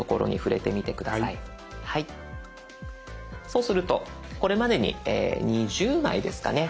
そうするとこれまでに２０枚ですかね